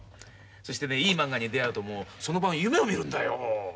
そしてねいいまんがに出会うともうその晩夢を見るんだよ。